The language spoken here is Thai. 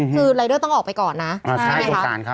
คือรายเดอร์ต้องออกไปก่อนนะใช่ไหมคะ